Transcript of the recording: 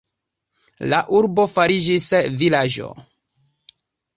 La urbo fariĝis vilaĝo.